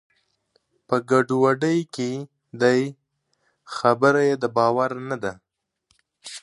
په ګډوډۍ کې دی؛ خبره یې د باور نه ده.